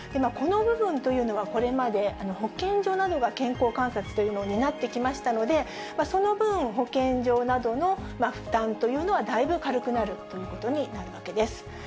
この部分というのは、これまで保健所などが、健康観察というのを担ってきましたので、その分、保健所などの負担というのはだいぶ軽くなるということになるわけです。